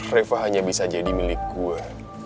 reva hanya bisa jadi milik gua